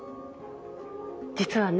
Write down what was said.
実はね